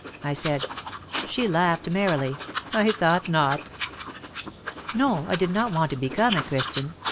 I said. She laughed merrily. "I thought not." No, I did not want to "become a Christian."